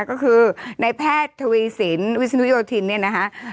ก็คือในแพทย์ทวีสินวิศนุโยธินเนี่ยนะคะ